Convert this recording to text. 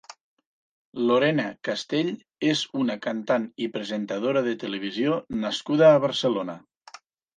Lorena Castell és una cantant i presentadora de televisió nascuda a Barcelona.